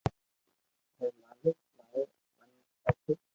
ھي مالڪ ماري جن پھاتي